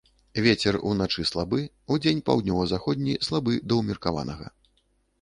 Вецер уначы слабы, удзень паўднёва-заходні слабы да ўмеркаванага.